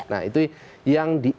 nah itu yang dianggap